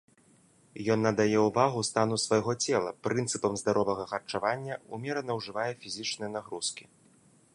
Ён надае ўвагу стану свайго цела, прынцыпам здаровага харчавання, умерана ўжывае фізічныя нагрузкі.